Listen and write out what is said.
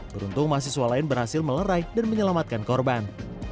beruntung mahasiswa lain berhasil melerai dan menyelamatkan korban